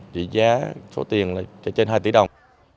chỉ giá số tiền là trên hai tỷ đồng